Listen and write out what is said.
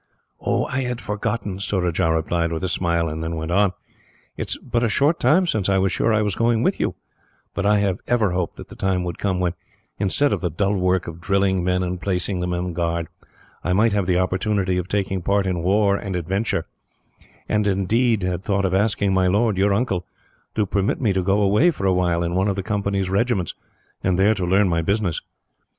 "I had forgotten," Surajah replied with a smile, and then went on. "It is but a short time since I was sure I was going with you, but I have ever hoped that the time would come when, instead of the dull work of drilling men and placing them on guard, I might have the opportunity of taking part in war and adventure, and indeed had thought of asking my lord, your uncle, to permit me to go away for a while in one of the Company's regiments, and there to learn my business.